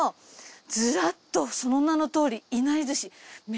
ずらっとその名のとおりいなり寿司。